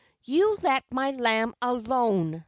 "You let my lamb alone!"